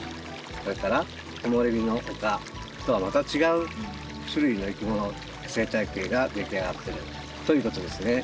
それからこもれびの丘とはまた違う種類のいきもの生態系が出来上がってるということですね。